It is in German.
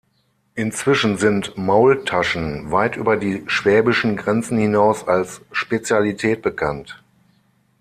Inzwischen sind Maultaschen weit über die schwäbischen Grenzen hinaus als Spezialität bekannt.